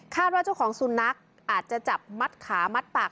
ว่าเจ้าของสุนัขอาจจะจับมัดขามัดปาก